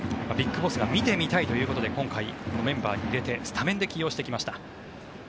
ＢＩＧＢＯＳＳが見てみたいということで今回、メンバーに入れてスタメンで起用してきました。